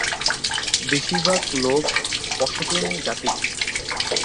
বেশির ভাগ লোক পশতুন জাতির।